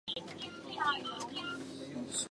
蹴球场在中美洲各处都有设立。